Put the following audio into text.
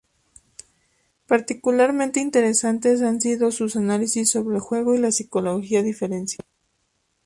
Particularmente interesantes han sido sus análisis sobre el juego y la psicología diferencial.